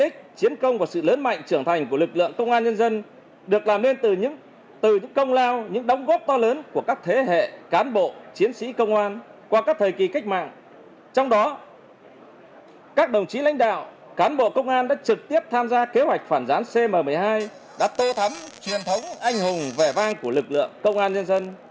các đồng chí lãnh đạo cán bộ công an đã trực tiếp tham gia kế hoạch phản gián cm một mươi hai đã tô thắm truyền thống anh hùng vẻ vang của lực lượng công an nhân dân